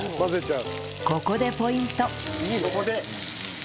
ここでポイント